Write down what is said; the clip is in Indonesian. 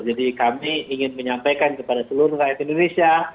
jadi kami ingin menyampaikan kepada seluruh rakyat indonesia